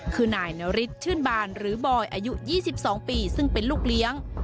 คือนายนฤทธิ์ชื่นบ้านหรือบอยอายุยี่สิบสองปีซึ่งเป็นลูกเลี้ยง